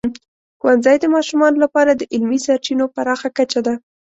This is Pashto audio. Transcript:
ښوونځی د ماشومانو لپاره د علمي سرچینو پراخه کچه ده.